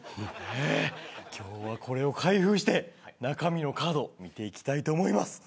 今日はこれを開封して中身のカード見ていきたいと思います。